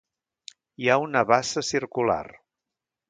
Hi ha una bassa circular.